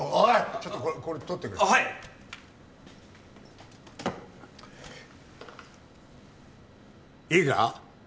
ちょっとこれ取ってくれはいいいか？